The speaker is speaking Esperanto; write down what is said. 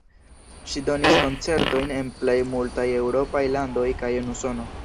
Ŝi donis koncertojn en plej multaj eŭropaj landoj kaj en Usono.